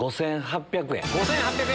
５８００円。